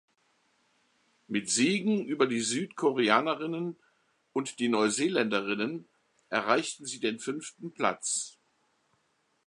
Mit Siegen über die Südkoreanerinnen und die Neuseeländerinnen erreichten sie den fünften Platz.